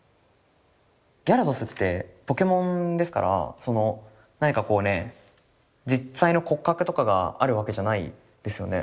ギャラドスってポケモンですから何かこうね実際の骨格とかがあるわけじゃないですよね。